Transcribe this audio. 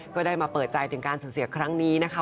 ก็ได้มาเปิดใจถึงการสูญเสียครั้งนี้นะคะ